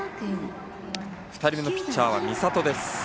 ２人目のピッチャーは美里です。